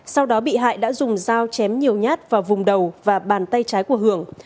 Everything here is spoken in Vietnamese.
sau đó bị hại đã dùng dao chém nhiều nhát vào vùng đầu và bàn tay trái của hưởng